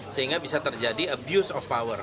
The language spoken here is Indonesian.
sehingga bisa terjadi abuse of power